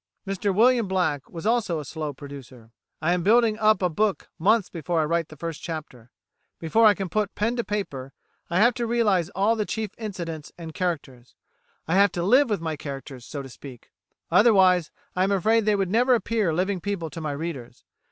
Mr William Black was also a slow producer: "I am building up a book months before I write the first chapter; before I can put pen to paper I have to realise all the chief incidents and characters. I have to live with my characters, so to speak; otherwise, I am afraid they would never appear living people to my readers.